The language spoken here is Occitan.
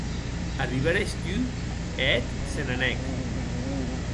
Arribères tu e eth se n'anèc.